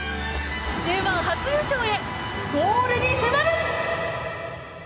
Ｊ１初優勝へゴールに迫る！